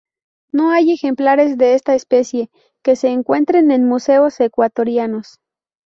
No hay ejemplares de esta especie que se encuentren en museos ecuatorianos.